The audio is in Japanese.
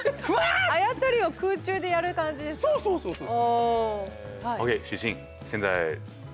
そうそうそうそう。